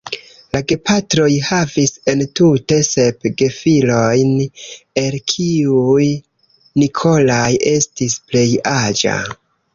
La gepatroj havis entute sep gefilojn, el kiuj "Nikolaj" estis plej aĝa.